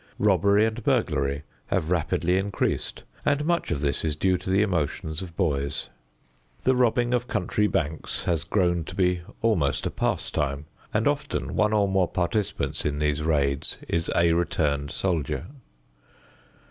Robbery and burglary have rapidly increased, and much of this is due to the emotions of boys. The robbing of country banks has grown to be almost a pastime, and often one or more participants in these raids is a returned soldier.